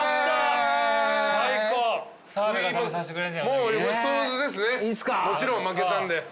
もちろん負けたんで。